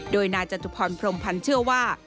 โดยนายจตุพรพรมพันธ์เชื่อว่า